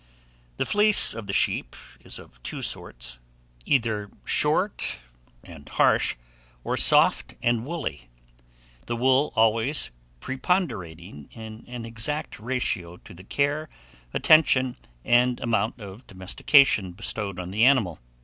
The fleece of the sheep is of two sorts, either short and harsh, or soft and woolly; the wool always preponderating in an exact ratio to the care, attention, and amount of domestication bestowed on the animal.